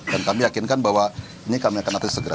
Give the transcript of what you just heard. dan kami yakinkan bahwa ini kami akan atas segera